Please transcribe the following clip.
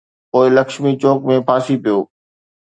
پوءِ لڪشمي چوڪ ۾ ڦاسي پيو.